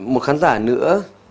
một khán giả nữa